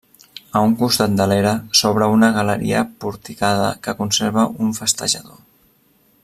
A un costat de l'era s'obre una galeria porticada que conserva un festejador.